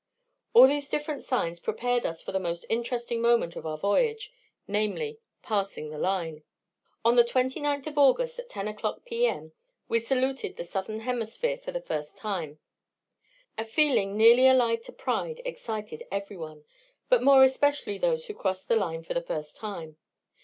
All these different signs prepared us for the most interesting moment of our voyage namely, passing the line. On the 29th of August, at 10 o'clock P.M., we saluted the southern hemisphere for the first time. A feeling nearly allied to pride excited every one, but more especially those who crossed the line for the first time.